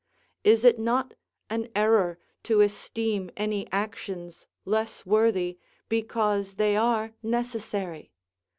Is it not an error to esteem any actions less worthy, because they are necessary?